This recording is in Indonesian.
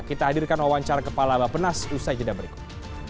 kita hadirkan wawancara kepala bapak penas usai jadwal berikut